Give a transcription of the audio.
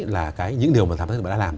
là những điều mà tham gia thương mại đã làm